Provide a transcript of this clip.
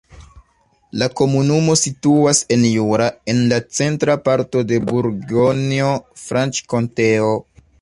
La komunumo situas en Jura, en la centra parto de Burgonjo-Franĉkonteo.